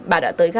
bà đã tới gaza